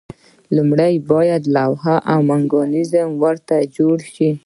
لومړی باید طرح او میکانیزم ورته جوړ شي.